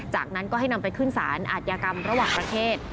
จากนั้นก็ให้นำไปขึ้นสารอาทยากรรมระหว่างประเทศ